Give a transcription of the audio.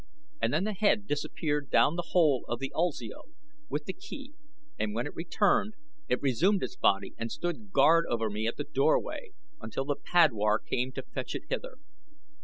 And then the head disappeared down the hole of the ulsio with the key, and when it returned, it resumed its body and stood guard over me at the doorway until the padwar came to fetch it hither."